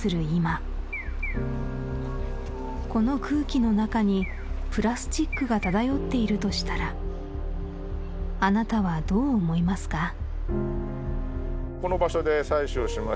今この空気の中にプラスチックが漂っているとしたらあなたはどう思いますか？